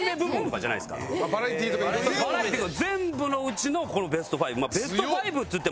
バラエティーとか全部のうちのベスト５。